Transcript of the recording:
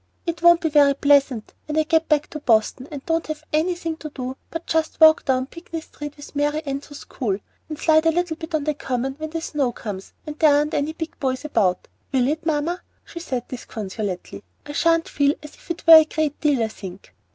"It won't be very pleasant when I get back to Boston, and don't have anything to do but just walk down Pinckney Street with Mary Anne to school, and slide a little bit on the Common when the snow comes and there aren't any big boys about, will it, mamma?" she said, disconsolately. "I sha'n't feel as if that were a great deal, I think."